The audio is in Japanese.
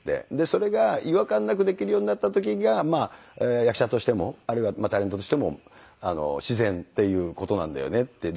それが違和感なくできるようになった時が役者としてもあるいはタレントとしても自然っていう事なんだよねって。